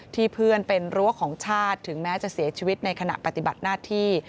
เพื่อนเป็นรั้วของชาติถึงแม้จะเสียชีวิตในขณะปฏิบัติหน้าที่